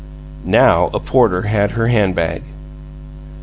Now a porter had her hand bag.